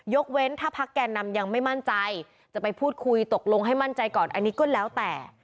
เว้นถ้าพักแก่นำยังไม่มั่นใจจะไปพูดคุยตกลงให้มั่นใจก่อนอันนี้ก็แล้วแต่